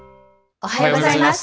おはようございます。